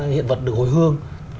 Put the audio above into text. hiện vật được hồi hương